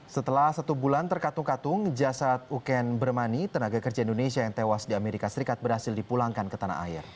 setelah satu bulan terkatung katung jasad uken bermani tenaga kerja indonesia yang tewas di amerika serikat berhasil dipulangkan ke tanah air